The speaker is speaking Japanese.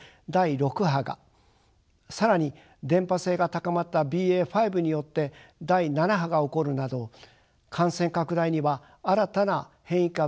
更に伝播性が高まったＢＡ．５によって第７波が起こるなど感染拡大には新たな変異株が関係しています。